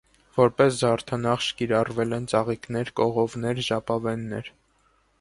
Որպես զարդանախշ կիրառվել են ծաղիկներ, կողովներ, ժապավեններ։